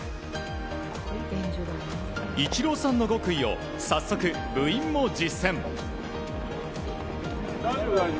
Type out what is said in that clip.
イチローさんの極意を早速、部員も実践。